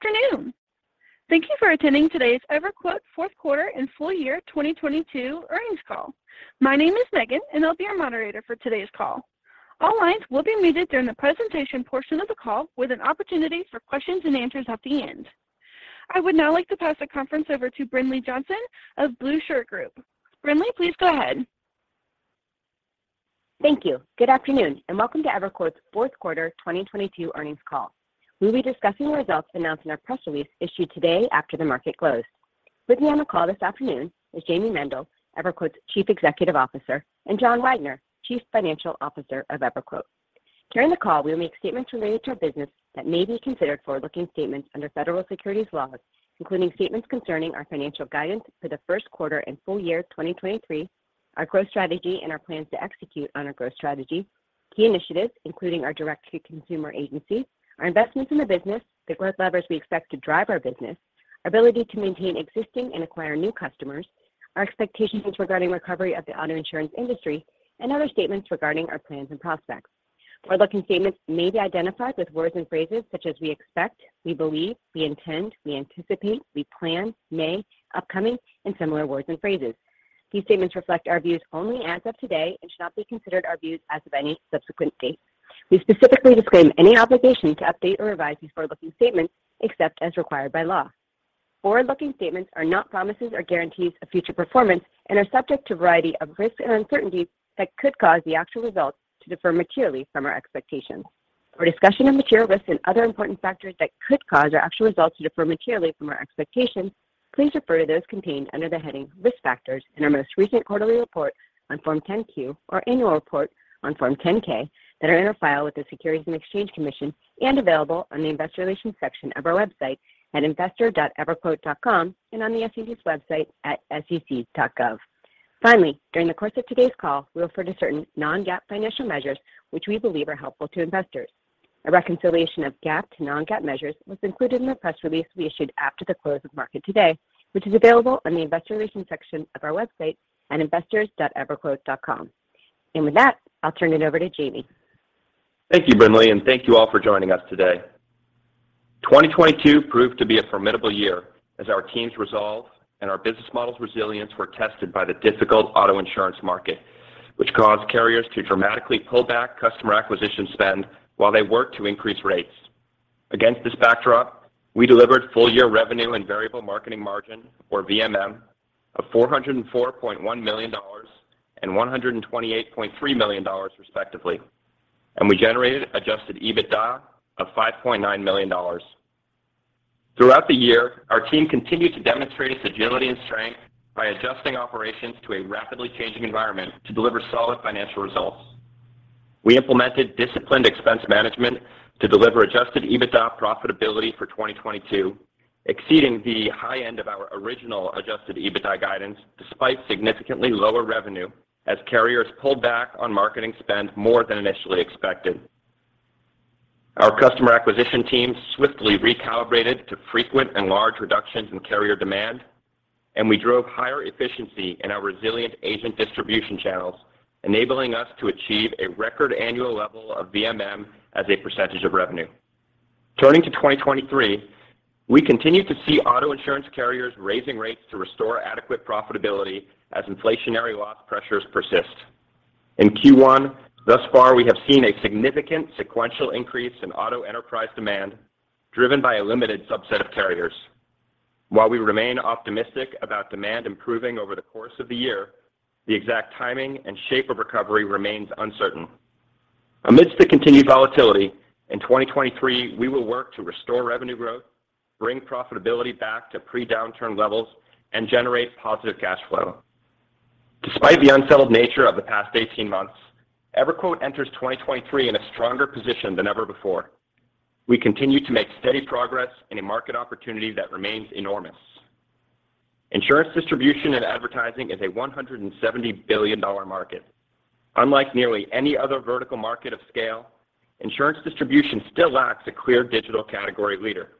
Good afternoon. Thank you for attending today's EverQuote Q4 and full year 2022 earnings call. My name is Megan, and I'll be your moderator for today's call. All lines will be muted during the presentation portion of the call with an opportunity for questions and answers at the end. I would now like to pass the conference over to Brinlea Johnson of The Blueshirt Group. Brinlea, please go ahead. Thank you. Good afternoon, and welcome to EverQuote's Q4 2022 earnings call. We'll be discussing the results announced in our press release issued today after the market closed. With me on the call this afternoon is Jayme Mendal, EverQuote's Chief Executive Officer, and John Wagner, Chief Financial Officer of EverQuote. During the call, we'll make statements related to our business that may be considered forward-looking statements under federal securities laws, including statements concerning our financial guidance for the Q1 and full year 2023, our growth strategy and our plans to execute on our growth strategy, key initiatives, including our direct-to-consumer agency, our investments in the business, the growth levers we expect to drive our business, our ability to maintain existing and acquire new customers, our expectations regarding recovery of the auto insurance industry, and other statements regarding our plans and prospects. Forward-looking statements may be identified with words and phrases such as we expect, we believe, we intend, we anticipate, we plan, may, upcoming, and similar words and phrases. These statements reflect our views only as of today and should not be considered our views as of any subsequent date. We specifically disclaim any obligation to update or revise these forward-looking statements except as required by law. Forward-looking statements are not promises or guarantees of future performance and are subject to a variety of risks and uncertainties that could cause the actual results to differ materially from our expectations. For a discussion of material risks and other important factors that could cause our actual results to differ materially from our expectations, please refer to those contained under the heading Risk Factors in our most recent quarterly report on Form 10-Q or annual report on Form 10-K that are in our file with the Securities and Exchange Commission and available on the investor relations section of our website at investors.everquote.com and on the SEC's website at sec.gov. Finally, during the course of today's call, we refer to certain non-GAAP financial measures which we believe are helpful to investors. A reconciliation of GAAP to non-GAAP measures was included in the press release we issued after the close of market today, which is available on the investor relations section of our website at investors.everquote.com. With that, I'll turn it over to Jayme. Thank you, Brinlea. Thank you all for joining us today. 2022 proved to be a formidable year as our team's resolve and our business model's resilience were tested by the difficult auto insurance market, which caused carriers to dramatically pull back customer acquisition spend while they worked to increase rates. Against this backdrop, we delivered full year revenue and Variable Marketing Margin, or VMM, of $404.1 million and $128.3 million respectively. We generated Adjusted EBITDA of $5.9 million. Throughout the year, our team continued to demonstrate its agility and strength by adjusting operations to a rapidly changing environment to deliver solid financial results. We implemented disciplined expense management to deliver Adjusted EBITDA profitability for 2022, exceeding the high end of our original Adjusted EBITDA guidance despite significantly lower revenue as carriers pulled back on marketing spend more than initially expected. Our customer acquisition team swiftly recalibrated to frequent and large reductions in carrier demand. We drove higher efficiency in our resilient agent distribution channels, enabling us to achieve a record annual level of VMM as a % of revenue. Turning to 2023, we continue to see auto insurance carriers raising rates to restore adequate profitability as inflationary loss pressures persist. In Q1, thus far we have seen a significant sequential increase in auto enterprise demand driven by a limited subset of carriers. While we remain optimistic about demand improving over the course of the year, the exact timing and shape of recovery remains uncertain. Amidst the continued volatility, in 2023 we will work to restore revenue growth, bring profitability back to pre-downturn levels, and generate positive cash flow. Despite the unsettled nature of the past 18 months, EverQuote enters 2023 in a stronger position than ever before. We continue to make steady progress in a market opportunity that remains enormous. Insurance distribution and advertising is a $170 billion market. Unlike nearly any other vertical market of scale, insurance distribution still lacks a clear digital category leader.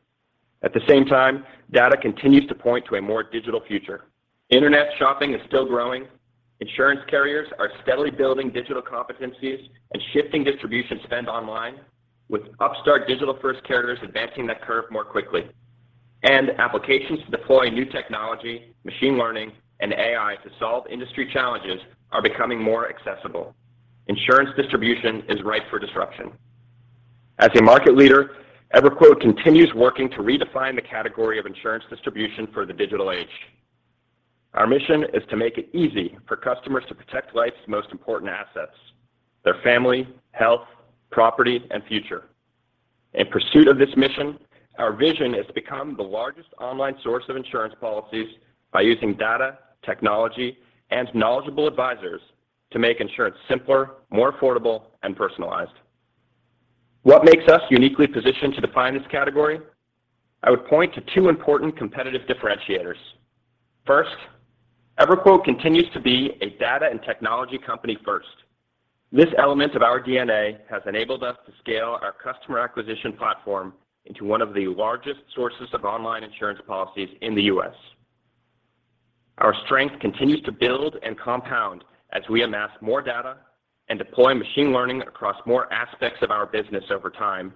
At the same time, data continues to point to a more digital future. Internet shopping is still growing. Insurance carriers are steadily building digital competencies and shifting distribution spend online, with upstart digital-first carriers advancing that curve more quickly. Applications to deploy new technology, machine learning, and AI to solve industry challenges are becoming more accessible. Insurance distribution is ripe for disruption. As a market leader, EverQuote continues working to redefine the category of insurance distribution for the digital age. Our mission is to make it easy for customers to protect life's most important assets, their family, health, property, and future. In pursuit of this mission, our vision is to become the largest online source of insurance policies by using data, technology, and knowledgeable advisors to make insurance simpler, more affordable, and personalized. What makes us uniquely positioned to define this category? I would point to two important competitive differentiators. First, EverQuote continues to be a data and technology company first. This element of our DNA has enabled us to scale our customer acquisition platform into one of the largest sources of online insurance policies in the U.S. Our strength continues to build and compound as we amass more data and deploy machine learning across more aspects of our business over time,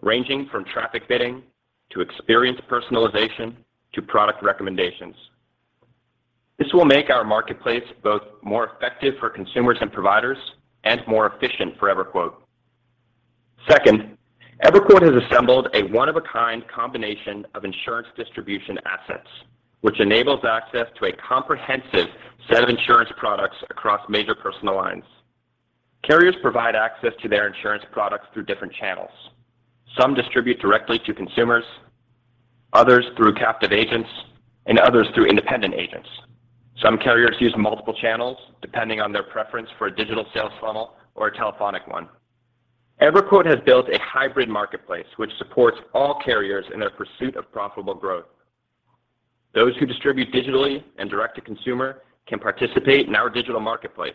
ranging from traffic bidding to experience personalization to product recommendations. This will make our marketplace both more effective for consumers and providers and more efficient for EverQuote. Second, EverQuote has assembled a one of a kind combination of insurance distribution assets, which enables access to a comprehensive set of insurance products across major personal lines. Carriers provide access to their insurance products through different channels. Some distribute directly to consumers, others through captive agents, and others through independent agents. Some carriers use multiple channels depending on their preference for a digital sales funnel or a telephonic one. EverQuote has built a hybrid marketplace which supports all carriers in their pursuit of profitable growth. Those who distribute digitally and direct-to-consumer can participate in our digital marketplace.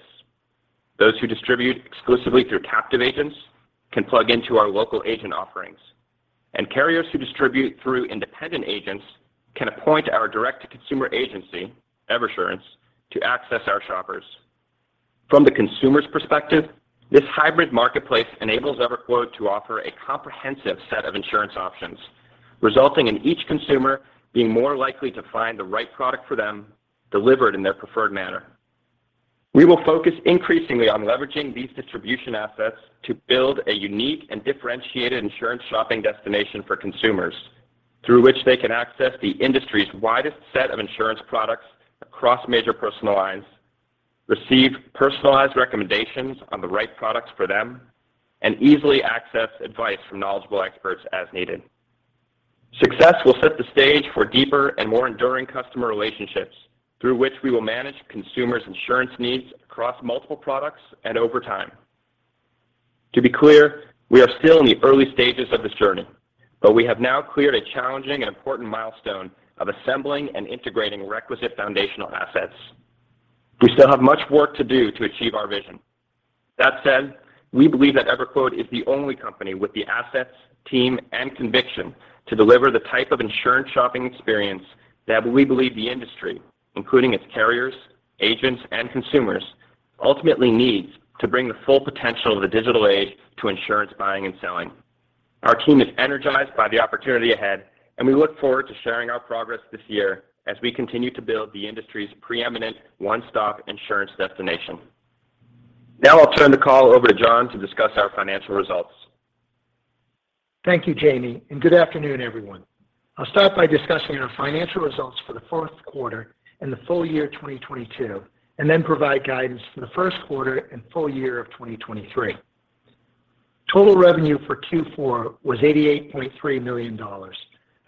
Those who distribute exclusively through captive agents can plug into our local agent offerings, and carriers who distribute through independent agents can appoint our direct-to-consumer agency, Eversurance, to access our shoppers. From the consumer's perspective, this hybrid marketplace enables EverQuote to offer a comprehensive set of insurance options, resulting in each consumer being more likely to find the right product for them delivered in their preferred manner. We will focus increasingly on leveraging these distribution assets to build a unique and differentiated insurance shopping destination for consumers, through which they can access the industry's widest set of insurance products across major personal lines, receive personalized recommendations on the right products for them, and easily access advice from knowledgeable experts as needed. Success will set the stage for deeper and more enduring customer relationships through which we will manage consumers' insurance needs across multiple products and over time. To be clear, we are still in the early stages of this journey, but we have now cleared a challenging and important milestone of assembling and integrating requisite foundational assets. We still have much work to do to achieve our vision. That said, we believe that EverQuote is the only company with the assets, team, and conviction to deliver the type of insurance shopping experience that we believe the industry, including its carriers, agents, and consumers, ultimately needs to bring the full potential of the digital age to insurance buying and selling. Our team is energized by the opportunity ahead. We look forward to sharing our progress this year as we continue to build the industry's preeminent one-stop insurance destination. Now I'll turn the call over to John to discuss our financial results. Thank you, Jayme, and good afternoon, everyone. I'll start by discussing our financial results for the Q4 and the full year 2022, and then provide guidance for the Q1 and full year of 2023. Total revenue for Q4 was $88.3 million,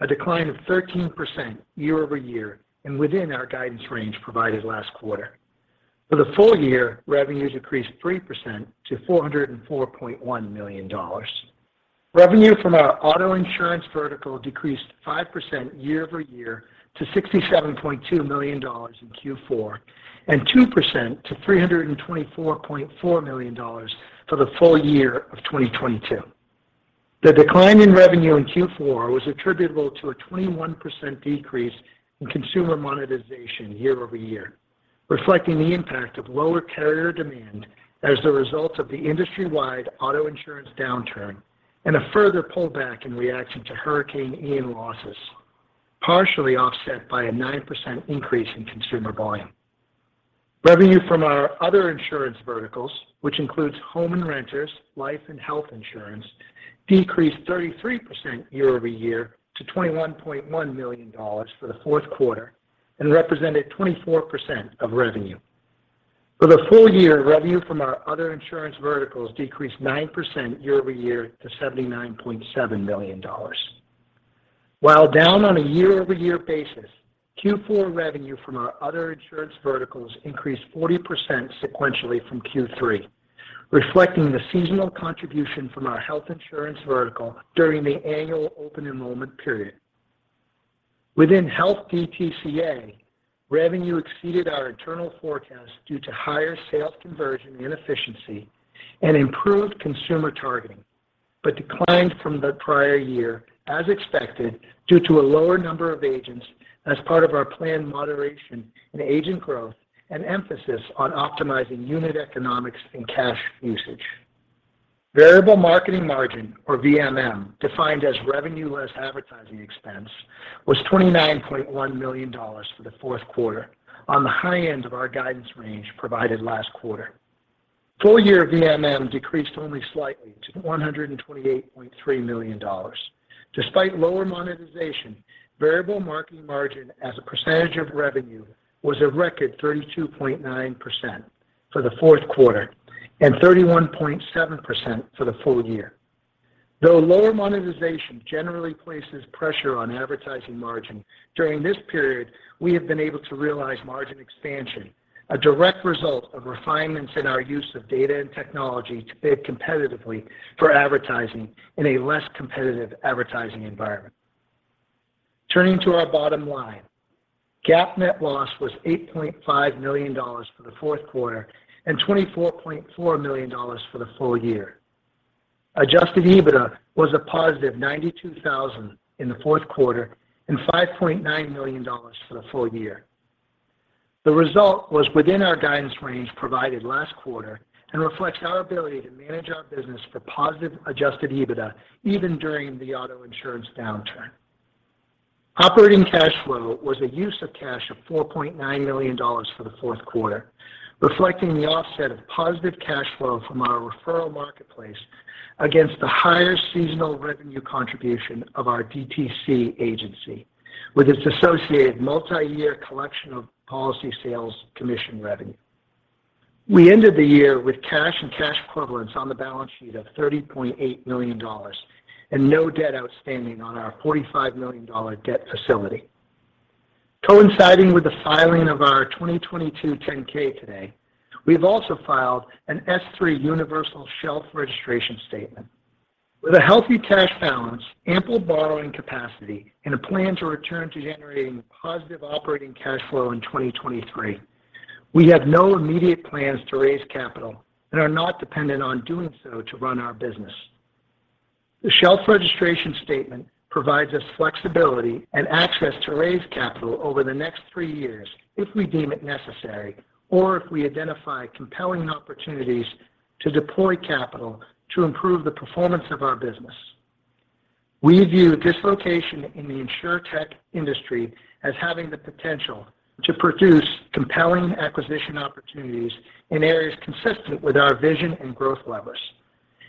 a decline of 13% year-over-year and within our guidance range provided last quarter. For the full year, revenues increased 3% to $404.1 million. Revenue from our auto insurance vertical decreased 5% year-over-year to $67.2 million in Q4 and 2% to $324.4 million for the full year of 2022. The decline in revenue in Q4 was attributable to a 21% decrease in consumer monetization year-over-year, reflecting the impact of lower carrier demand as a result of the industry-wide auto insurance downturn and a further pullback in reaction to Hurricane Ian losses, partially offset by a 9% increase in consumer volume. Revenue from our other insurance verticals, which includes home and renters, life and health insurance, decreased 33% year-over-year to $21.1 million for the Q4 and represented 24% of revenue. For the full year, revenue from our other insurance verticals decreased 9% year-over-year to $79.7 million. While down on a year-over-year basis, Q4 revenue from our other insurance verticals increased 40% sequentially from Q3, reflecting the seasonal contribution from our health insurance vertical during the annual open enrollment period. Within Health DTCA, revenue exceeded our internal forecast due to higher sales conversion and efficiency and improved consumer targeting, but declined from the prior year as expected, due to a lower number of agents as part of our planned moderation in agent growth and emphasis on optimizing unit economics and cash usage. Variable Marketing Margin, or VMM, defined as revenue less advertising expense, was $29.1 million for the Q4 on the high end of our guidance range provided last quarter. Full year VMM decreased only slightly to $128.3 million. Despite lower monetization, Variable Marketing Margin as a percentage of revenue was a record 32.9% for the Q4 and 31.7% for the full year. Lower monetization generally places pressure on advertising margin, during this period, we have been able to realize margin expansion, a direct result of refinements in our use of data and technology to bid competitively for advertising in a less competitive advertising environment. Turning to our bottom line, GAAP net loss was $8.5 million for the Q4 and $24.4 million for the full year. Adjusted EBITDA was a positive $92,000 in the Q4 and $5.9 million for the full year. The result was within our guidance range provided last quarter and reflects our ability to manage our business for positive Adjusted EBITDA even during the auto insurance downturn. Operating cash flow was a use of cash of $4.9 million for the Q4, reflecting the offset of positive cash flow from our referral marketplace against the higher seasonal revenue contribution of our DTC agency with its associated multiyear collection of policy sales commission revenue. We ended the year with cash and cash equivalents on the balance sheet of $30.8 million and no debt outstanding on our $45 million debt facility. Coinciding with the filing of our 2022 10-K today, we have also filed an S-3 universal shelf registration statement. With a healthy cash balance, ample borrowing capacity, and a plan to return to generating positive operating cash flow in 2023, we have no immediate plans to raise capital and are not dependent on doing so to run our business. The shelf registration statement provides us flexibility and access to raise capital over the next three years if we deem it necessary or if we identify compelling opportunities to deploy capital to improve the performance of our business. We view this location in the Insurtech industry as having the potential to produce compelling acquisition opportunities in areas consistent with our vision and growth levers.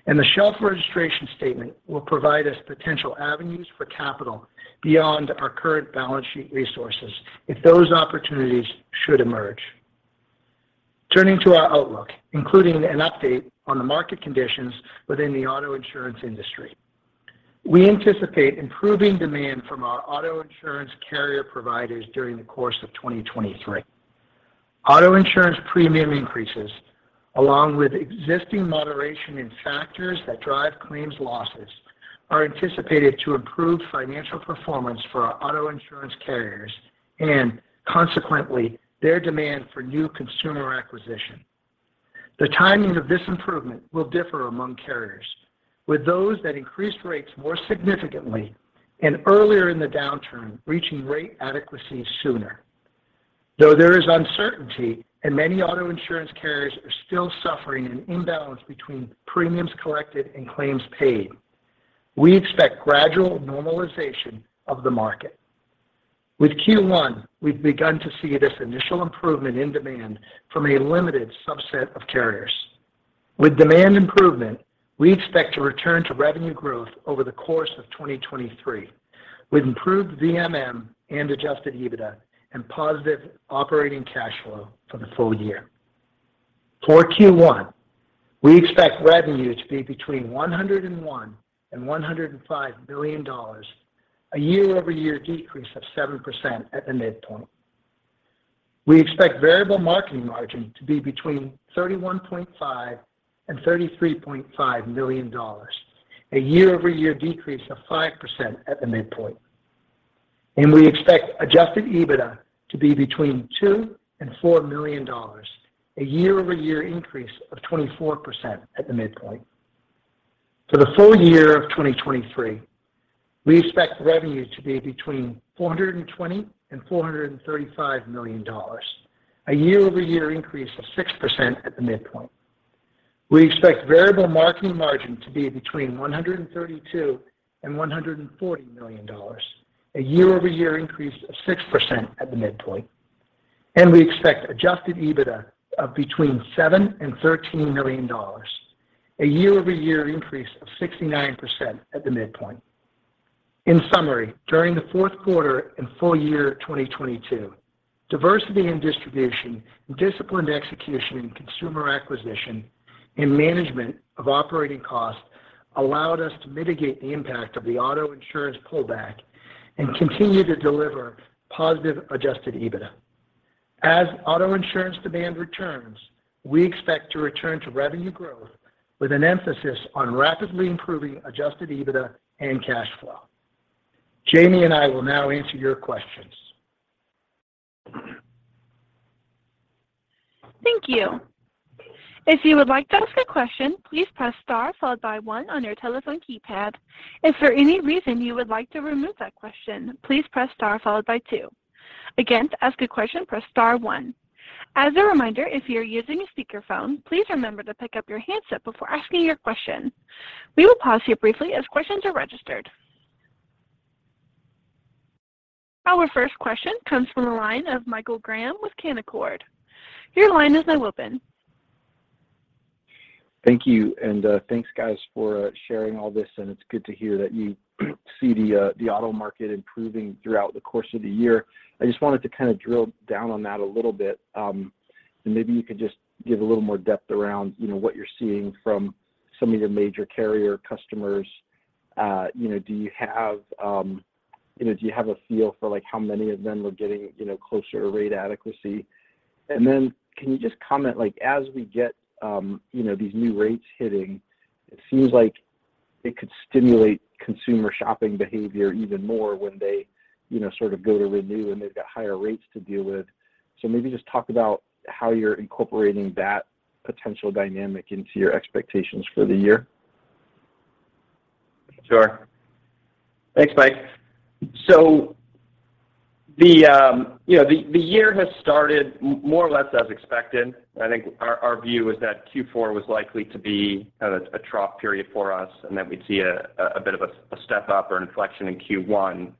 The shelf registration statement will provide us potential avenues for capital beyond our current balance sheet resources if those opportunities should emerge. Turning to our outlook, including an update on the market conditions within the auto insurance industry. We anticipate improving demand from our auto insurance carrier providers during the course of 2023. Auto insurance premium increases, along with existing moderation in factors that drive claims losses, are anticipated to improve financial performance for our auto insurance carriers and consequently their demand for new consumer acquisition. The timing of this improvement will differ among carriers with those that increased rates more significantly and earlier in the downturn, reaching rate adequacy sooner. There is uncertainty and many auto insurance carriers are still suffering an imbalance between premiums collected and claims paid, we expect gradual normalization of the market. With Q1, we've begun to see this initial improvement in demand from a limited subset of carriers. With demand improvement, we expect to return to revenue growth over the course of 2023, with improved VMM and Adjusted EBITDA and positive operating cash flow for the full year. For Q1, we expect revenue to be between $101 million and $105 million, a year-over-year decrease of 7% at the midpoint. We expect Variable Marketing Margin to be between $31.5 million and $33.5 million, a year-over-year decrease of 5% at the midpoint. We expect Adjusted EBITDA to be between $2 million and $4 million, a year-over-year increase of 24% at the midpoint. For the full year of 2023, we expect revenue to be between $420 million and $435 million, a year-over-year increase of 6% at the midpoint. We expect Variable Marketing Margin to be between $132 million and $140 million, a year-over-year increase of 6% at the midpoint. We expect Adjusted EBITDA of between $7 million and $13 million, a year-over-year increase of 69% at the midpoint. In summary, during the Q4 and full year 2022, diversity in distribution, disciplined execution in consumer acquisition, and management of operating costs allowed us to mitigate the impact of the auto insurance pullback and continue to deliver positive Adjusted EBITDA. As auto insurance demand returns, we expect to return to revenue growth with an emphasis on rapidly improving Adjusted EBITDA and cash flow. Jayme and I will now answer your questions. Thank you. If you would like to ask a question, please press star followed by one on your telephone keypad. If for any reason you would like to remove that question, please press star followed by two. Again, to ask a question, press star one. As a reminder, if you're using a speakerphone, please remember to pick up your handset before asking your question. We will pause here briefly as questions are registered. Our first question comes from the line of Michael Graham with Canaccord. Your line is now open. Thank you. Thanks guys for sharing all this, and it's good to hear that you see the auto market improving throughout the course of the year. I just wanted to kind of drill down on that a little bit, and maybe you could just give a little more depth around, you know, what you're seeing from some of your major carrier customers. You know, do you have, you know, do you have a feel for like how many of them are getting, you know, closer to rate adequacy? Then can you just comment, like as we get, you know, these new rates hitting, it seems like it could stimulate consumer shopping behavior even more when they, you know, sort of go to renew, and they've got higher rates to deal with. Maybe just talk about how you're incorporating that potential dynamic into your expectations for the year. Sure. Thanks, Mike. The, you know, the year has started more or less as expected. I think our view is that Q4 was likely to be kind of a trough period for us, and that we'd see a bit of a step-up or an inflection in Q1.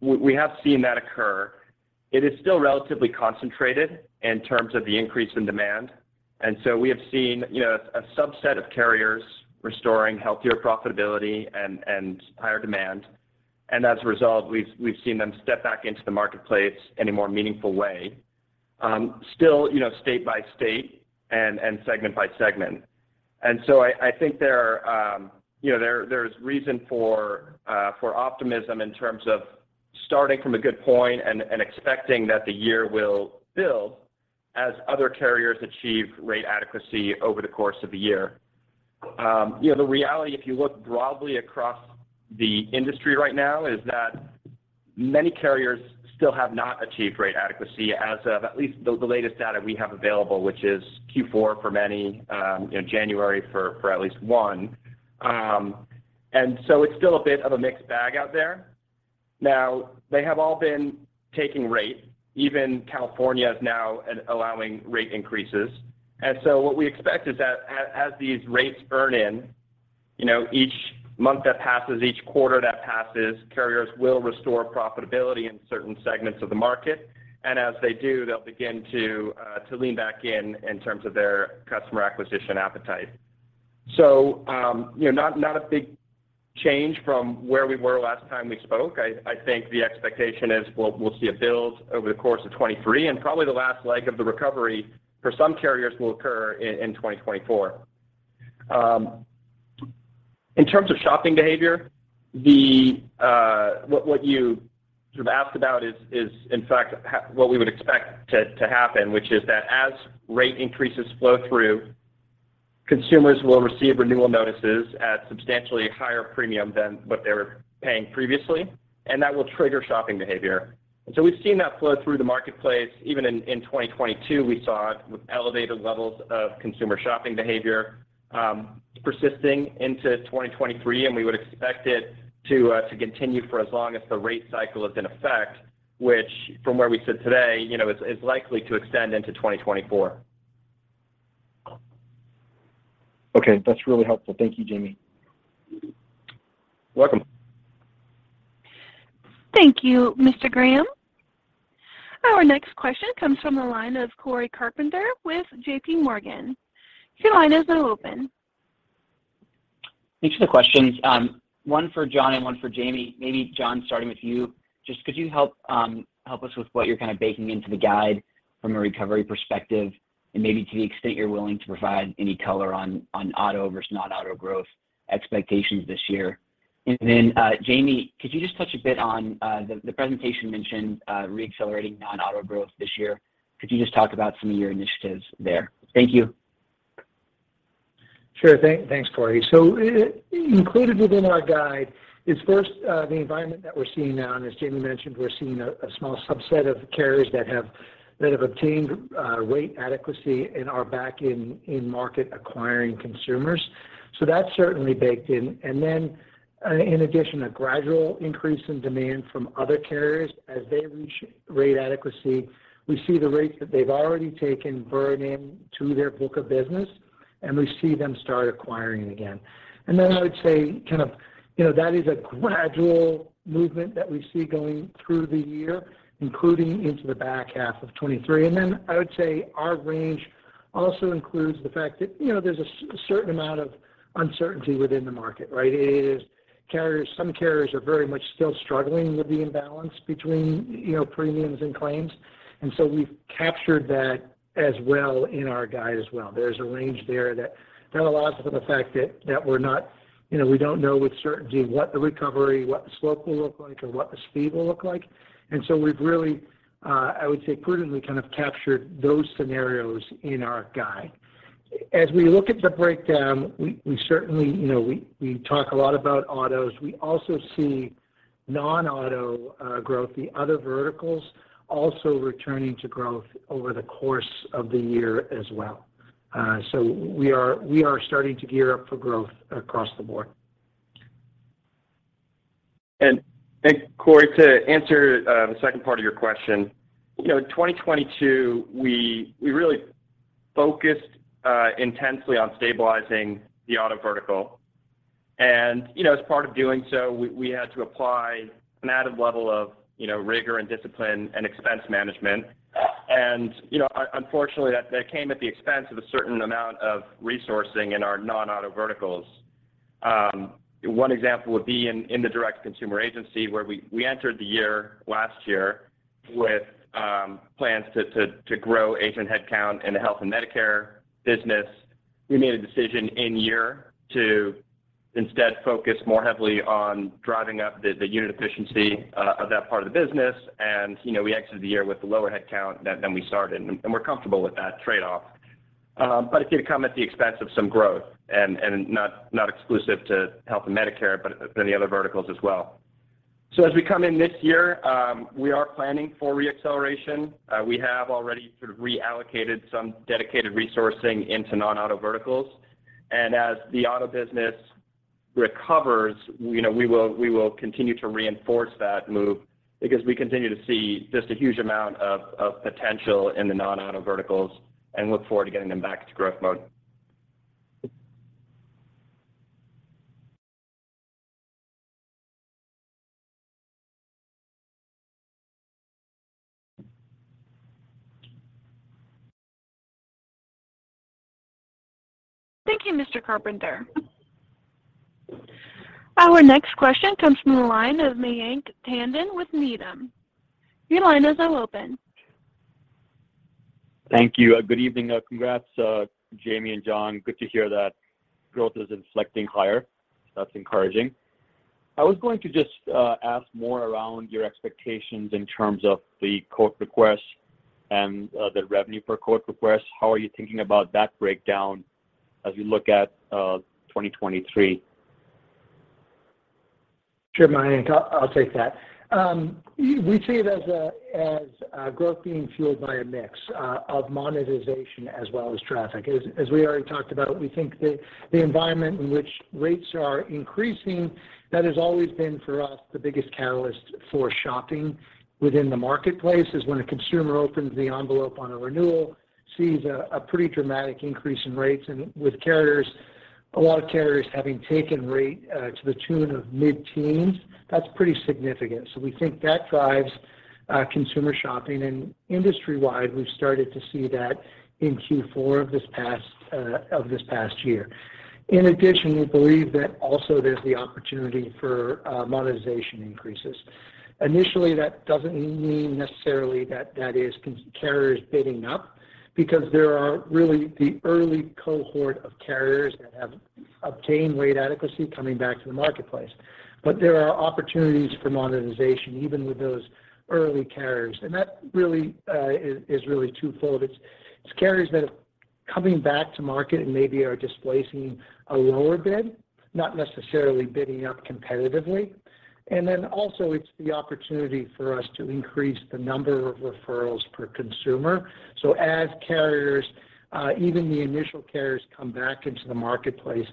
We have seen that occur. It is still relatively concentrated in terms of the increase in demand. We have seen, you know, a subset of carriers restoring healthier profitability and higher demand. As a result, we've seen them step back into the marketplace in a more meaningful way, still, you know, state by state and segment by segment. I think there are, there's reason for optimism in terms of starting from a good point and expecting that the year will build as other carriers achieve rate adequacy over the course of the year. The reality, if you look broadly across the industry right now, is that many carriers still have not achieved rate adequacy as of at least the latest data we have available, which is Q4 for many, January for at least one. It's still a bit of a mixed bag out there. Now, they have all been taking rate. Even California is now allowing rate increases. What we expect is that as these rates burn in, you know, each month that passes, each quarter that passes, carriers will restore profitability in certain segments of the market. As they do, they'll begin to lean back in terms of their customer acquisition appetite. You know, not a big change from where we were last time we spoke. I think the expectation is we'll see a build over the course of 2023, and probably the last leg of the recovery for some carriers will occur in 2024. In terms of shopping behavior, what you sort of asked about is in fact what we would expect to happen, which is that as rate increases flow through, consumers will receive renewal notices at substantially higher premium than what they were paying previously, and that will trigger shopping behavior. We've seen that flow through the marketplace. Even in 2022, we saw it with elevated levels of consumer shopping behavior, persisting into 2023, and we would expect it to continue for as long as the rate cycle is in effect, which from where we sit today, you know, is likely to extend into 2024. Okay, that's really helpful. Thank you, Jayme. Welcome. Thank you, Mr. Graham. Our next question comes from the line of Cory Carpenter with JPMorgan. Your line is now open. Thanks for the questions. one for John and one for Jayme. Maybe John, starting with you. Just could you help help us with what you're kind of baking into the guide from a recovery perspective and maybe to the extent you're willing to provide any color on auto versus non-auto growth expectations this year? Jayme, could you just touch a bit on the presentation mentioned re-accelerating non-auto growth this year. Could you just talk about some of your initiatives there? Thank you. Sure. Thanks, Cory. Included within our guide is first, the environment that we're seeing now. As Jayme mentioned, we're seeing a small subset of carriers that have obtained rate adequacy and are back in market acquiring consumers. That's certainly baked in. In addition, a gradual increase in demand from other carriers as they reach rate adequacy. We see the rates that they've already taken burn in to their book of business, and we see them start acquiring again. I would say kind of, you know, that is a gradual movement that we see going through the year, including into the back half of 2023. I would say our range also includes the fact that, you know, there's a certain amount of uncertainty within the market, right? Some carriers are very much still struggling with the imbalance between, you know, premiums and claims. We've captured that as well in our guide as well. There's a range there that allows for the fact that we're not, you know, we don't know with certainty what the recovery, what the slope will look like or what the speed will look like. We've really, I would say prudently kind of captured those scenarios in our guide. As we look at the breakdown, we certainly, you know, we talk a lot about autos. We also see non-auto growth, the other verticals also returning to growth over the course of the year as well. We are starting to gear up for growth across the board. Cory, to answer the second part of your question. You know, 2022, we really focused intensely on stabilizing the auto vertical. You know, as part of doing so, we had to apply an added level of, you know, rigor and discipline and expense management. You know, unfortunately, that came at the expense of a certain amount of resourcing in our non-auto verticals. One example would be in the direct-to-consumer agency where we entered the year last year with plans to grow agent headcount in the health and Medicare business. We made a decision in year to instead focus more heavily on driving up the unit efficiency of that part of the business. you know, we exited the year with a lower headcount than we started, and we're comfortable with that trade-off. it did come at the expense of some growth and not exclusive to health and Medicare, but any other verticals as well. as we come in this year, we are planning for re-acceleration. we have already sort of reallocated some dedicated resourcing into non-auto verticals. as the auto business recovers, you know, we will continue to reinforce that move because we continue to see just a huge amount of potential in the non-auto verticals and look forward to getting them back to growth mode. Thank you, Mr. Carpenter. Our next question comes from the line of Mayank Tandon with Needham. Your line is now open. Thank you. Good evening. Congrats, Jayme and John, good to hear that growth is inflecting higher. That's encouraging. I was going to just ask more around your expectations in terms of the quote requests and the revenue per quote request. How are you thinking about that breakdown as you look at 2023? Sure, Mayank, I'll take that. We see it as a, as growth being fueled by a mix of monetization as well as traffic. As, as we already talked about, we think that the environment in which rates are increasing, that has always been for us, the biggest catalyst for shopping within the marketplace is when a consumer opens the envelope on a renewal, sees a pretty dramatic increase in rates. With carriers, a lot of carriers having taken rate to the tune of mid-teens, that's pretty significant. We think that drives consumer shopping. Industry-wide, we've started to see that in Q4 of this past of this past year. In addition, we believe that also there's the opportunity for monetization increases. Initially, that doesn't mean necessarily that that is carriers bidding up because there are really the early cohort of carriers that have obtained rate adequacy coming back to the marketplace. There are opportunities for monetization even with those early carriers. That really is twofold. It's carriers that are coming back to market and maybe are displacing a lower bid, not necessarily bidding up competitively. Then also it's the opportunity for us to increase the number of referrals per consumer. As carriers, even the initial carriers come back into the marketplace,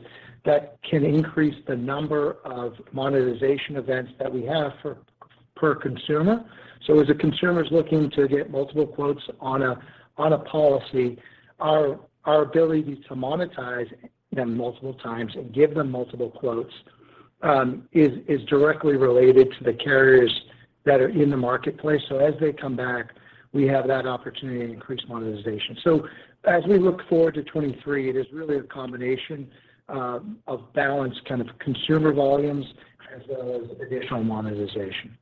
that can increase the number of monetization events that we have for, per consumer. As a consumer is looking to get multiple quotes on a policy, our ability to monetize them multiple times and give them multiple quotes, is directly related to the carriers that are in the marketplace. As they come back, we have that opportunity to increase monetization. As we look forward to 23, it is really a combination of balanced kind of consumer volumes as well as additional monetization.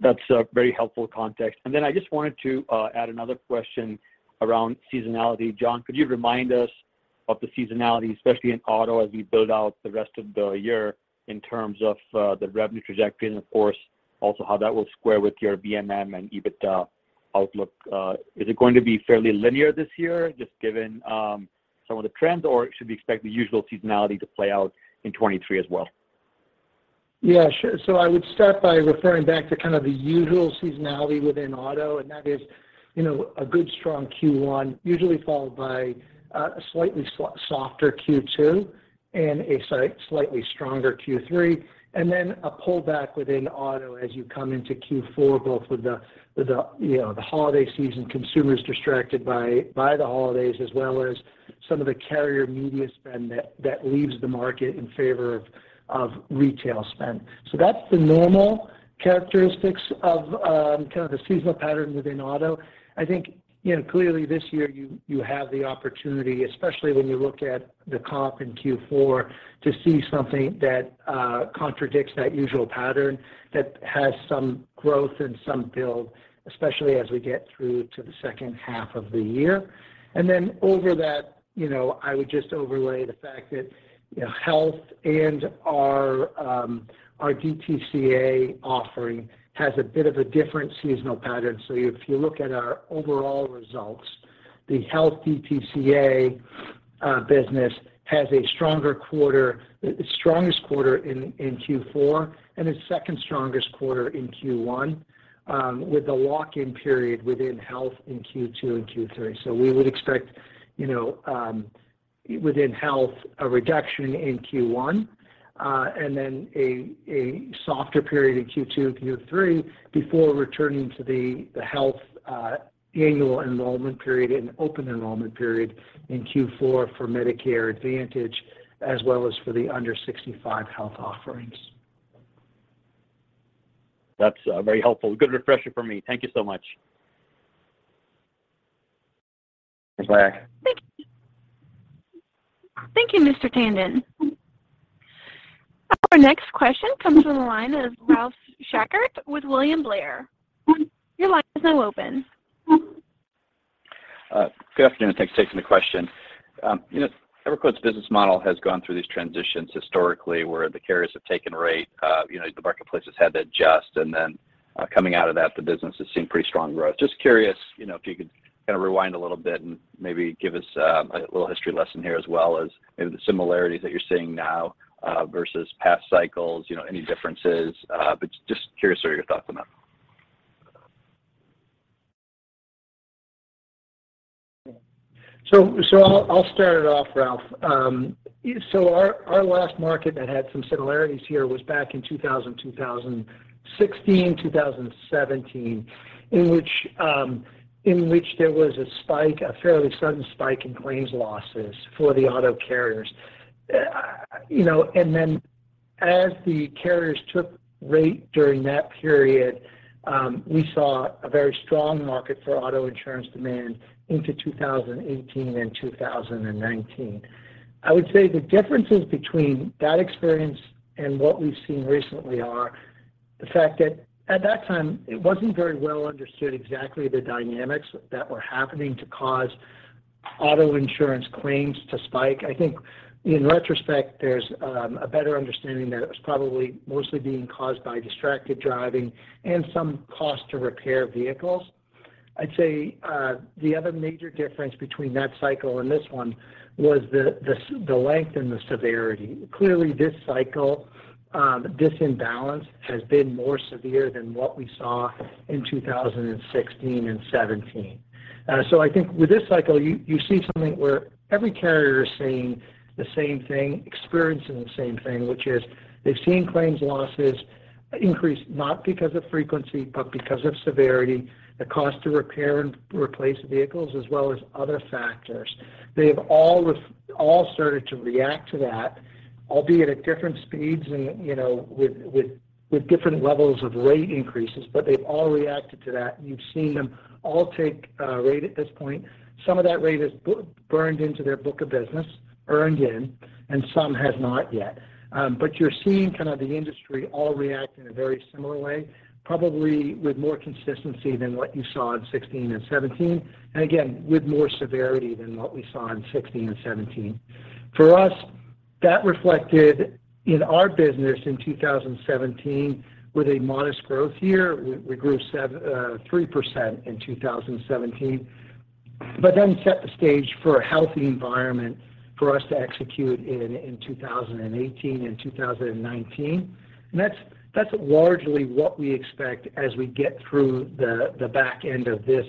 That's a very helpful context. I just wanted to add another question around seasonality. John, could you remind us of the seasonality, especially in auto as we build out the rest of the year in terms of the revenue trajectory and of course, also how that will square with your VMM and EBITDA outlook? Is it going to be fairly linear this year, just given some of the trends, or should we expect the usual seasonality to play out in 23 as well? Yeah, sure. I would start by referring back to kind of the usual seasonality within auto, and that is, you know, a good strong Q1, usually followed by a slightly softer Q2 and a slightly stronger Q3, and then a pullback within auto as you come into Q4, both with the, you know, the holiday season, consumers distracted by the holidays, as well as some of the carrier media spend that leaves the market in favor of retail spend. That's the normal characteristics of kind of the seasonal pattern within auto. I think, you know, clearly this year you have the opportunity, especially when you look at the comp in Q4, to see something that contradicts that usual pattern that has some growth and some build, especially as we get through to the second half of the year. Over that, you know, I would just overlay the fact that, you know, health and our DTCA offering has a bit of a different seasonal pattern. If you look at our overall results, the health DTCA business has a stronger quarter, the strongest quarter in Q4, and its second strongest quarter in Q1, with the lock-in period within health in Q2 and Q3. We would expect, you know, within health, a reduction in Q1, and then a softer period in Q2 and Q3 before returning to the health annual enrollment period and open enrollment period in Q4 for Medicare Advantage, as well as for the under 65 health offerings. That's very helpful. Good refresher for me. Thank you so much. Thanks, Mayank. Thank you, Mr. Tandon. Our next question comes from the line of Ralph Schackart with William Blair. Your line is now open. Good afternoon. Thanks for taking the question. You know, EverQuote's business model has gone through these transitions historically where the carriers have taken rate, you know, the marketplace has had to adjust, and then coming out of that, the business has seen pretty strong growth. Just curious, you know, if you could kind of rewind a little bit and maybe give us a little history lesson here as well as maybe the similarities that you're seeing now versus past cycles, you know, any differences. Just curious what are your thoughts on that? I'll start it off, Ralph. Our last market that had some similarities here was back in 2016, 2017, in which there was a spike, a fairly sudden spike in claims losses for the auto carriers. You know, as the carriers took rate during that period, we saw a very strong market for auto insurance demand into 2018 and 2019. I would say the differences between that experience and what we've seen recently are the fact that at that time, it wasn't very well understood exactly the dynamics that were happening to cause auto insurance claims to spike. I think in retrospect, there's a better understanding that it was probably mostly being caused by distracted driving and some cost to repair vehicles. I'd say, the other major difference between that cycle and this one was the length and the severity. Clearly this cycle, this imbalance has been more severe than what we saw in 2016 and 2017. I think with this cycle, you see something where every carrier is seeing the same thing, experiencing the same thing, which is they've seen claims losses increase, not because of frequency, but because of severity, the cost to repair and replace vehicles, as well as other factors. They have all started to react to that, albeit at different speeds and, you know, with different levels of rate increases, but they've all reacted to that. You've seen them all take rate at this point. Some of that rate is burned into their book of business, earned in, and some has not yet. You're seeing kind of the industry all react in a very similar way, probably with more consistency than what you saw in 2016 and 2017. Again, with more severity than what we saw in 2016 and 2017. For us, that reflected in our business in 2017 with a modest growth year. We grew 3% in 2017, set the stage for a healthy environment for us to execute in 2018 and 2019. That's largely what we expect as we get through the back end of this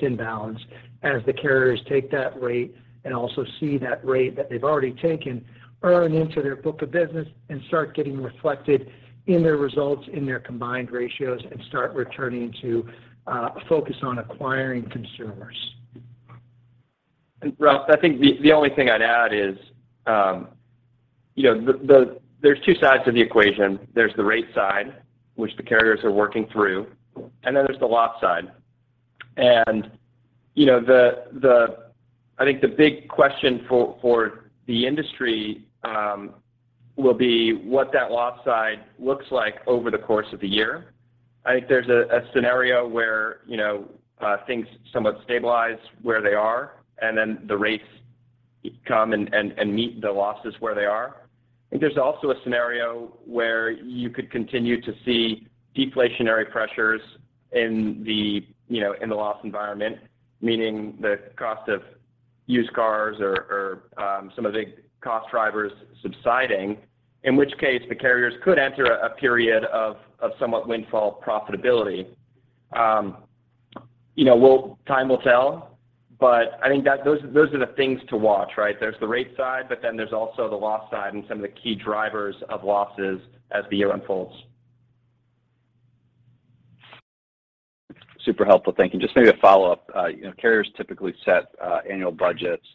imbalance as the carriers take that rate and also see that rate that they've already taken earn into their book of business and start getting reflected in their results, in their combined ratios, and start returning to a focus on acquiring consumers. Ralph, I think the only thing I'd add is, you know, there's two sides to the equation. There's the rate side, which the carriers are working through, and then there's the loss side. You know, the big question for the industry will be what that loss side looks like over the course of the year. I think there's a scenario where, you know, things somewhat stabilize where they are, and then the rates come and meet the losses where they are. I think there's also a scenario where you could continue to see deflationary pressures in the, you know, in the loss environment, meaning the cost of used cars or some of the cost drivers subsiding, in which case the carriers could enter a period of somewhat windfall profitability. you know, time will tell, I think that those are the things to watch, right? There's the rate side, there's also the loss side and some of the key drivers of losses as the year unfolds. Super helpful. Thank you. Just maybe a follow-up. You know, carriers typically set annual budgets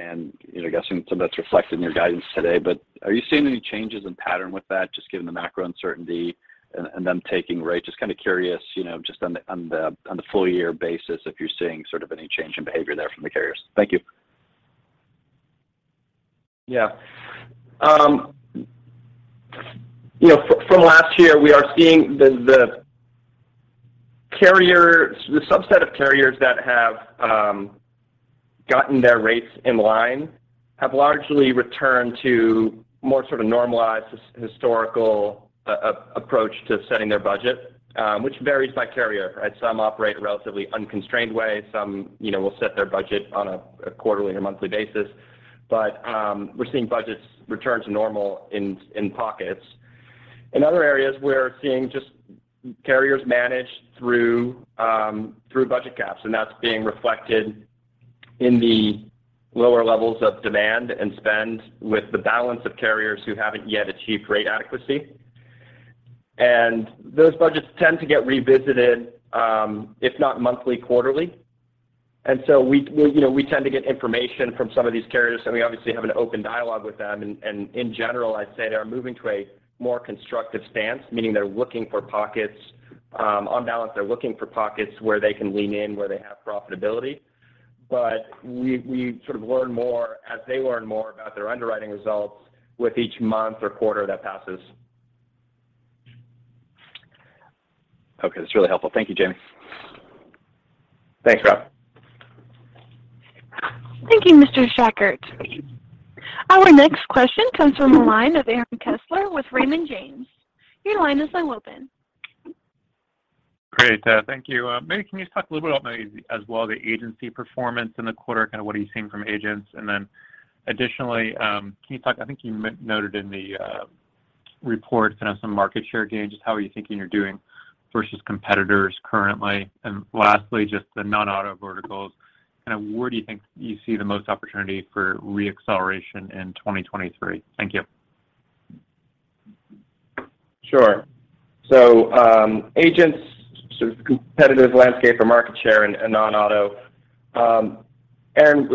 and, you know, guessing some of that's reflected in your guidance today. Are you seeing any changes in pattern with that just given the macro uncertainty and them taking rate? Just kind of curious, you know, just on the full year basis if you're seeing sort of any change in behavior there from the carriers. Thank you. Yeah. You know, from last year, we are seeing the carrier—the subset of carriers that have gotten their rates in line have largely returned to more sort of normalized historical approach to setting their budget, which varies by carrier, right? Some operate relatively unconstrained way. Some, you know, will set their budget on a quarterly or monthly basis. We're seeing budgets return to normal in pockets. In other areas, we're seeing just carriers manage through budget caps, and that's being reflected in the lower levels of demand and spend with the balance of carriers who haven't yet achieved rate adequacy. Those budgets tend to get revisited, if not monthly, quarterly. We, you know, we tend to get information from some of these carriers, and we obviously have an open dialogue with them. In general, I'd say they are moving to a more constructive stance, meaning they're looking for pockets. On balance, they're looking for pockets where they can lean in, where they have profitability. We sort of learn more as they learn more about their underwriting results with each month or quarter that passes. Okay, that's really helpful. Thank you, Jayme. Thanks, Ralph. Thank you, Mr. Schackart. Our next question comes from the line of Aaron Kessler with Raymond James. Your line is now open. Great. Thank you. Maybe can you just talk a little bit about maybe as well the agency performance in the quarter, kind of what are you seeing from agents? Additionally, can you talk? I think you noted in the reports, you know, some market share gains. Just how are you thinking you're doing versus competitors currently? Lastly, just the non-auto verticals, kind of where do you think you see the most opportunity for re-acceleration in 2023? Thank you. Sure. Agents, sort of the competitive landscape or market share in non-auto.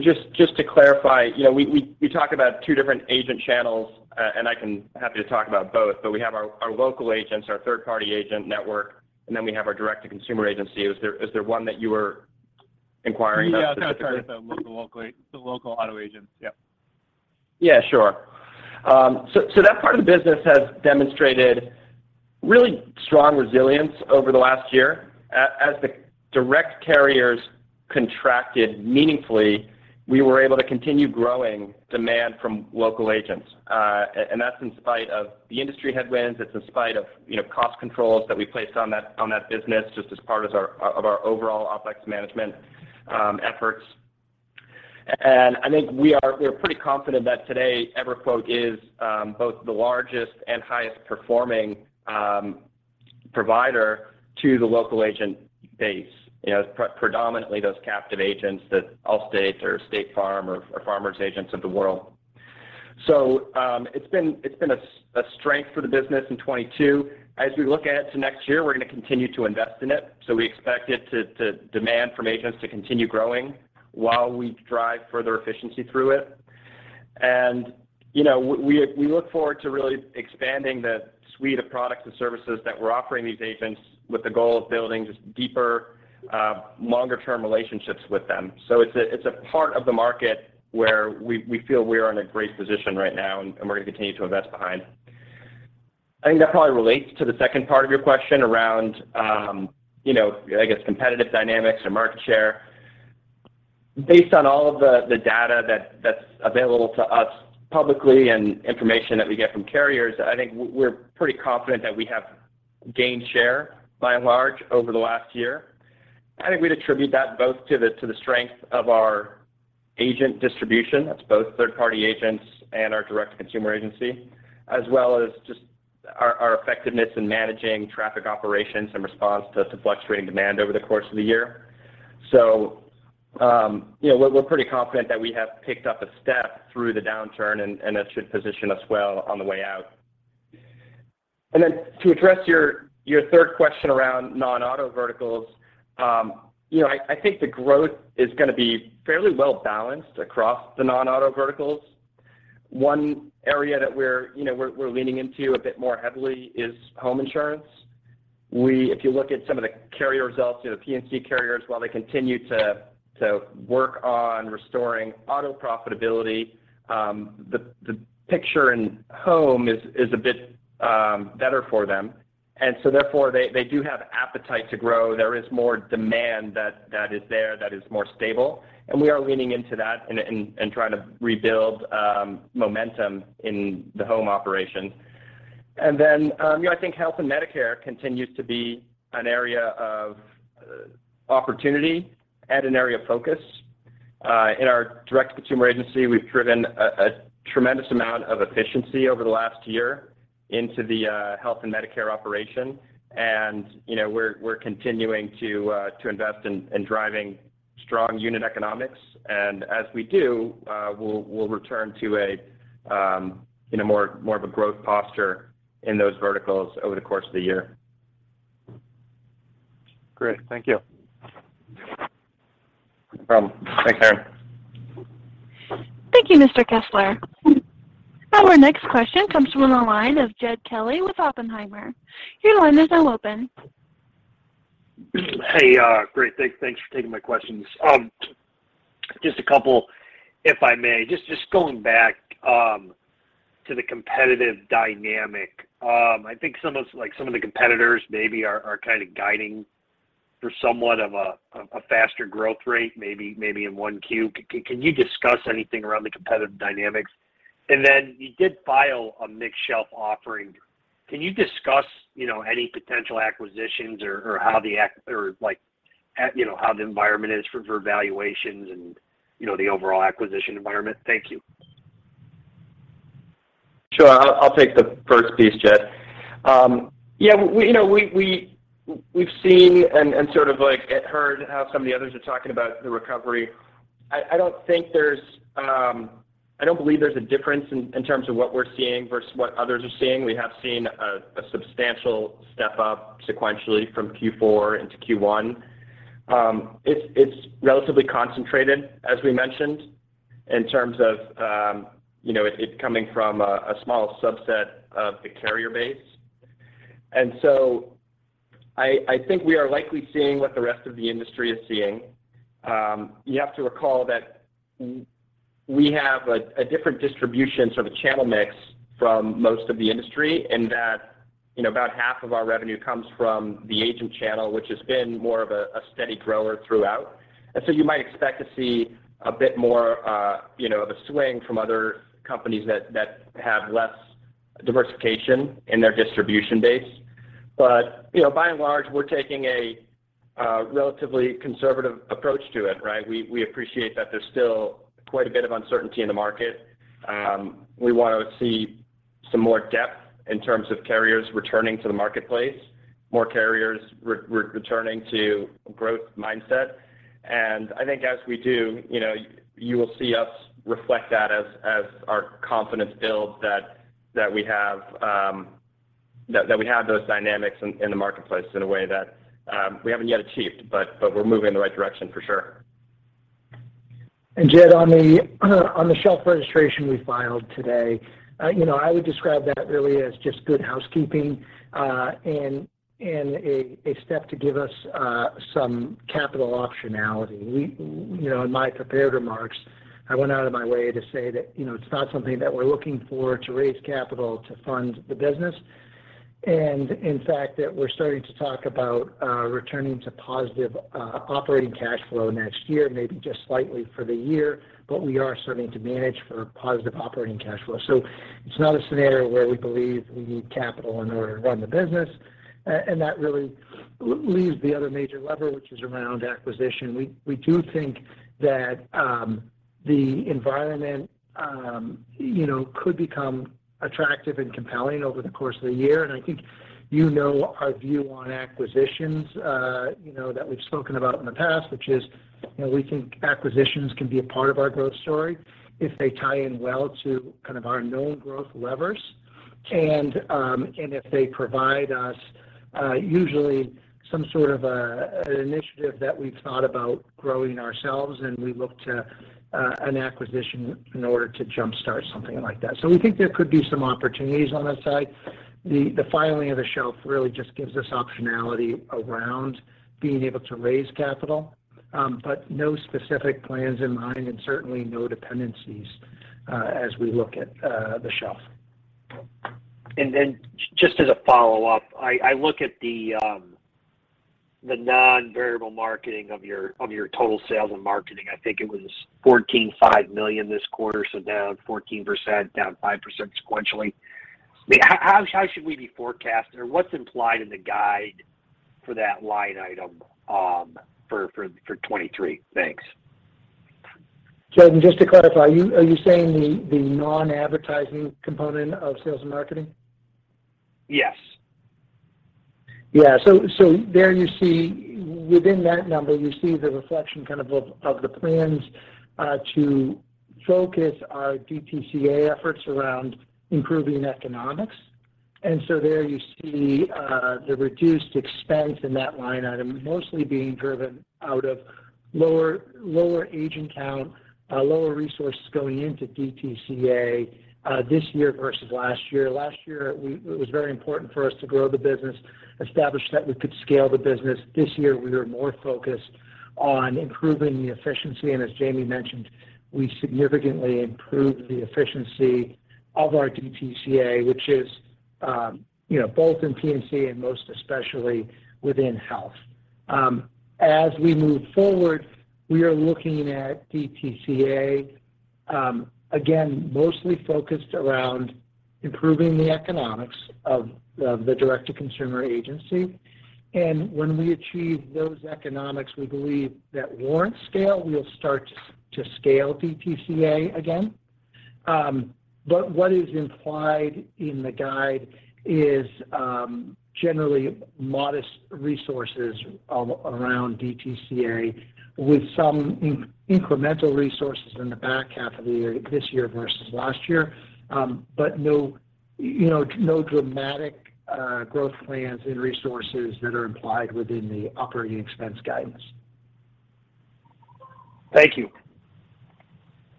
Just to clarify, you know, we talk about two different agent channels, happy to talk about both. We have our local agents, our third-party agent network, and then we have our direct-to-consumer agency. Is there one that you were inquiring about specifically? Yeah. No, sorry. The local auto agents. Yep. Yeah, sure. That part of the business has demonstrated really strong resilience over the last year. As the direct carriers contracted meaningfully, we were able to continue growing demand from local agents. That's in spite of the industry headwinds, it's in spite of, you know, cost controls that we placed on that business just as part of our overall OpEx management efforts. I think we're pretty confident that today EverQuote is both the largest and highest performing provider to the local agent base. You know, predominantly those captive agents, the Allstate or State Farm or Farmers agents of the world. It's been a strength for the business in 2022. As we look ahead to next year, we're gonna continue to invest in it, so we expect it to. demand from agents to continue growing while we drive further efficiency through it. You know, we look forward to really expanding the suite of products and services that we're offering these agents with the goal of building just deeper, longer-term relationships with them. It's a part of the market where we feel we are in a great position right now and we're going to continue to invest behind. I think that probably relates to the second part of your question around, you know, I guess competitive dynamics or market share. Based on all of the data that's available to us publicly and information that we get from carriers, I think we're pretty confident that we have gained share by and large over the last year. I think we'd attribute that both to the strength of our agent distribution. That's both third party agents and our direct-to-consumer agency, as well as just our effectiveness in managing traffic operations in response to fluctuating demand over the course of the year. You know, we're pretty confident that we have picked up a step through the downturn and that should position us well on the way out. To address your third question around non-auto verticals, you know, I think the growth is gonna be fairly well balanced across the non-auto verticals. One area that we're, you know, we're leaning into a bit more heavily is home insurance. If you look at some of the carrier results, you know, P&C carriers, while they continue to work on restoring auto profitability, the picture in home is a bit better for them. Therefore they do have appetite to grow. There is more demand that is there that is more stable, and we are leaning into that and trying to rebuild momentum in the home operations. You know, I think health and Medicare continues to be an area of opportunity and an area of focus. In our direct-to-consumer agency we've driven a tremendous amount of efficiency over the last year into the health and Medicare operation. You know, we're continuing to invest in driving strong unit economics. As we do, we'll return to a, you know, more of a growth posture in those verticals over the course of the year. Great. Thank you. No problem. Thanks, Aaron. Thank you, Mr. Kessler. Our next question comes from the line of Jed Kelly with Oppenheimer. Your line is now open. Hey, great. Thanks for taking my questions. Just a couple, if I may. Just going back to the competitive dynamic, I think like some of the competitors maybe are kind of guiding for somewhat of a faster growth rate, maybe in 1 Q. Can you discuss anything around the competitive dynamics? Then you did file a mixed shelf offering. Can you discuss, you know, any potential acquisitions or how the environment is for valuations and, you know, the overall acquisition environment? Thank you. Sure. I'll take the first piece, Jed. Yeah, we, you know, we've seen and sort of like, heard how some of the others are talking about the recovery. I don't think there's. I don't believe there's a difference in terms of what we're seeing versus what others are seeing. We have seen a substantial step up sequentially from Q4 into Q1. It's relatively concentrated, as we mentioned, in terms of, you know, it coming from a small subset of the carrier base. I think we are likely seeing what the rest of the industry is seeing. You have to recall that We have a different distribution sort of channel mix from most of the industry in that, you know, about half of our revenue comes from the agent channel, which has been more of a steady grower throughout. You might expect to see a bit more, you know, of a swing from other companies that have less diversification in their distribution base. You know, by and large, we're taking a relatively conservative approach to it, right? We appreciate that there's still quite a bit of uncertainty in the market. We want to see some more depth in terms of carriers returning to the marketplace, more carriers returning to a growth mindset. I think as we do, you know, you will see us reflect that as our confidence builds that we have, that we have those dynamics in the marketplace in a way that we haven't yet achieved, but we're moving in the right direction for sure. Jed, on the shelf registration we filed today, you know, I would describe that really as just good housekeeping, and a step to give us some capital optionality. You know, in my prepared remarks, I went out of my way to say that, you know, it's not something that we're looking for to raise capital to fund the business. In fact, that we're starting to talk about returning to positive operating cash flow next year, maybe just slightly for the year, but we are starting to manage for positive operating cash flow. It's not a scenario where we believe we need capital in order to run the business. That really leaves the other major lever, which is around acquisition. We do think that the environment, you know, could become attractive and compelling over the course of the year. I think you know our view on acquisitions, you know, that we've spoken about in the past, which is, you know, we think acquisitions can be a part of our growth story if they tie in well to kind of our known growth levers and if they provide us usually some sort of an initiative that we've thought about growing ourselves, and we look to an acquisition in order to jump-start something like that. We think there could be some opportunities on that side. The filing of the shelf really just gives us optionality around being able to raise capital, but no specific plans in mind and certainly no dependencies as we look at the shelf. Just as a follow-up, I look at the non-variable marketing of your total sales and marketing. I think it was $14.5 million this quarter, so down 14%, down 5% sequentially. I mean, how should we be forecasting or what's implied in the guide for that line item for 2023? Thanks. Jed, just to clarify, are you saying the non-advertising component of sales and marketing? Yes. Yeah. There you see. Within that number, you see the reflection kind of of the plans to focus our DTCA efforts around improving economics. There you see the reduced expense in that line item mostly being driven out of lower agent count, lower resources going into DTCA this year versus last year. Last year, it was very important for us to grow the business, establish that we could scale the business. This year, we are more focused on improving the efficiency, and as Jayme mentioned, we significantly improved the efficiency of our DTCA, which is, you know, both in P&C and most especially within health. As we move forward, we are looking at DTCA again, mostly focused around improving the economics of the direct-to-consumer agency. When we achieve those economics, we believe that warrant scale, we'll start to scale DTCA again. What is implied in the guide is generally modest resources around DTCA with some incremental resources in the back half of the year, this year versus last year. No, you know, no dramatic growth plans and resources that are implied within the operating expense guidance. Thank you.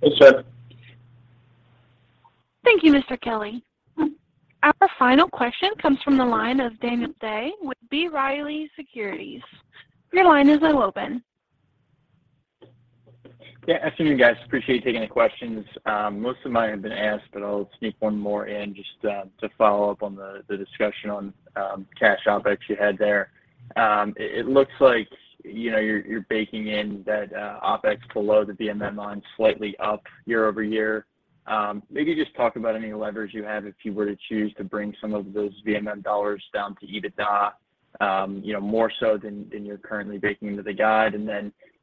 Thanks, Jed. Thank you, Mr. Kelly. Our final question comes from the line of Daniel Day with B. Riley Securities. Your line is now open. Yeah. Afternoon, guys. Appreciate you taking the questions. Most of mine have been asked, but I'll sneak one more in just to follow up on the discussion on cash OpEx you had there. It looks like, you know, you're baking in that OpEx below the VMM line slightly up year-over-year. Maybe just talk about any levers you have if you were to choose to bring some of those VMM dollars down to EBITDA, you know, more so than you're currently baking into the guide.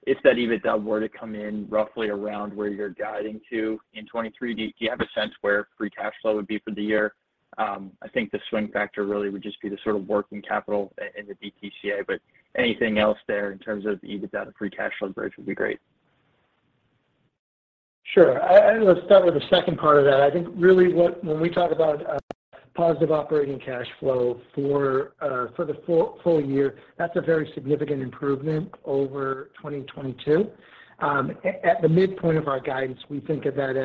If that EBITDA were to come in roughly around where you're guiding to in 23, do you have a sense where free cash flow would be for the year? I think the swing factor really would just be the sort of working capital in the DTCA. Anything else there in terms of the EBITDA to free cash flow bridge would be great. Sure. Let's start with the second part of that. I think really when we talk about positive operating cash flow for the full year, that's a very significant improvement over 2022. At the midpoint of our guidance, we think of that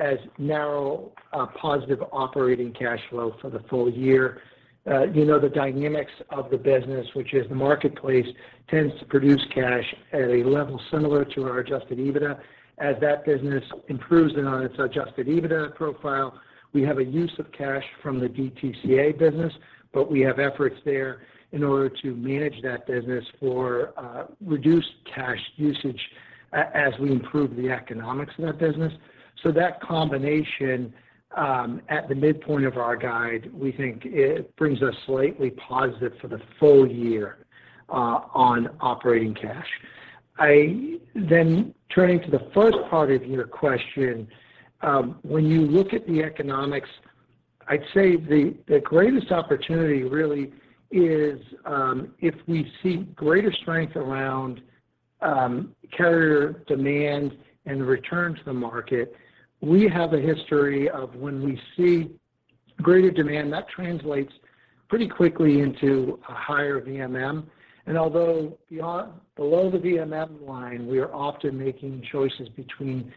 as now a positive operating cash flow for the full year. You know, the dynamics of the business, which is the marketplace tends to produce cash at a level similar to our Adjusted EBITDA. As that business improves in on its Adjusted EBITDA profile, we have a use of cash from the DTCA business, but we have efforts there in order to manage that business for reduced cash usage. As we improve the economics in that business. That combination, at the midpoint of our guide, we think it brings us slightly positive for the full year on operating cash. Turning to the first part of your question, when you look at the economics, I'd say the greatest opportunity really is if we see greater strength around carrier demand and return to the market, we have a history of when we see greater demand, that translates pretty quickly into a higher VMM. Although below the VMM line, we are often making choices between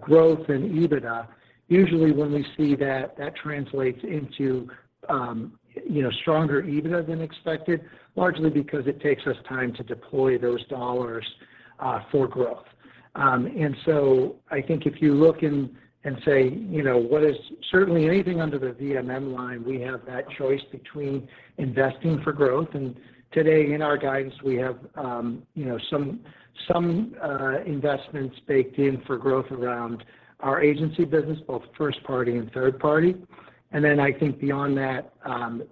growth and EBITDA. Usually, when we see that translates into, you know, stronger EBITDA than expected, largely because it takes us time to deploy those dollars for growth. I think if you look and say, you know, what is certainly anything under the VMM line, we have that choice between investing for growth. Today in our guidance, we have, you know, some investments baked in for growth around our agency business, both first party and third party. I think beyond that,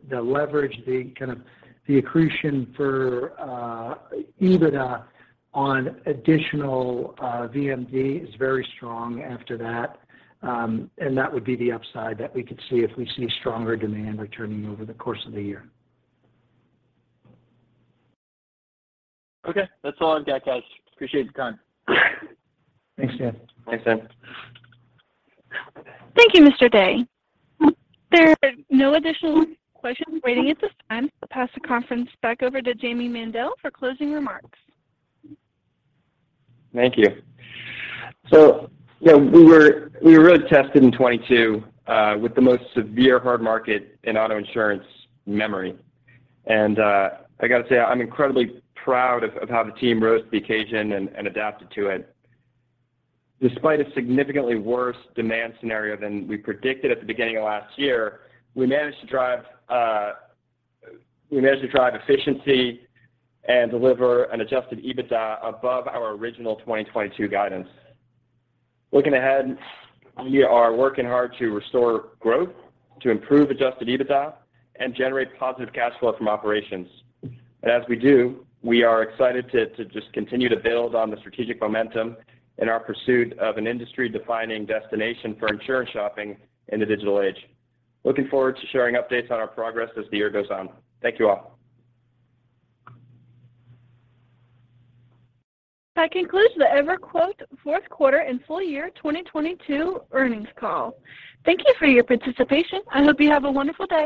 the leverage, the kind of the accretion for EBITDA on additional VMM is very strong after that. That would be the upside that we could see if we see stronger demand returning over the course of the year. Okay. That's all I've got, guys. Appreciate the time. Thanks, Dan. Thanks, Dan. Thank you, Mr. Day. There are no additional questions waiting at this time. I'll pass the conference back over to Jayme Mendal for closing remarks. Thank you. You know, we were really tested in 2022 with the most severe hard market in auto insurance memory. I got to say, I'm incredibly proud of how the team rose to the occasion and adapted to it. Despite a significantly worse demand scenario than we predicted at the beginning of last year, we managed to drive efficiency and deliver an Adjusted EBITDA above our original 2022 guidance. Looking ahead, we are working hard to restore growth, to improve Adjusted EBITDA and generate positive cash flow from operations. As we do, we are excited to just continue to build on the strategic momentum in our pursuit of an industry-defining destination for insurance shopping in the digital age. Looking forward to sharing updates on our progress as the year goes on. Thank you all. That concludes the EverQuote Q4 and full year 2022 earnings call. Thank you for your participation. I hope you have a wonderful day.